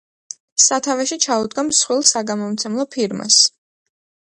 სათავეში ჩაუდგა მსხვილ საგამომცემლო ფირმას.